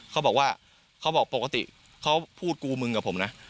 เขาบอกว่าเขาบอกปกติเขาพูดกูมึงกับผมนะ